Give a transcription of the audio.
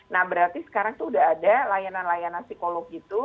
nah berarti sekarang tuh udah ada layanan layanan psikolog gitu